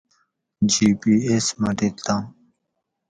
جی پی ایس مٹلتان